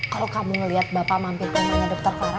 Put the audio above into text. kalau kamu ngeliat bapak mampir rumahnya dokter clara